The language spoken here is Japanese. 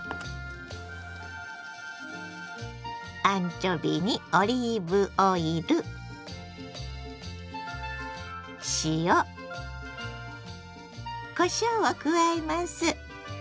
アンチョビにオリーブオイル塩こしょうを加えます。